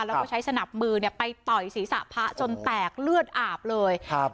แล้วก็ใช้สนับมือเนี่ยไปต่อยศีรษะพระจนแตกเลือดอาบเลยครับ